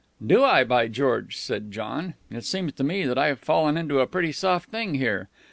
"Do I, by George!" said John. "It seems to me that I've fallen into a pretty soft thing here.